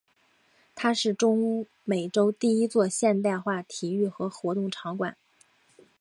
它是中美洲第一座现代化体育和活动场馆。